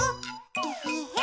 えへへ。